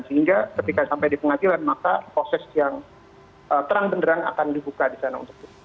sehingga ketika sampai di pengadilan maka proses yang terang benderang akan dibuka di sana